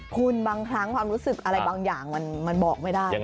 คุณบางครั้งความรู้สึกอะไรบางอย่างมันบอกไม่ได้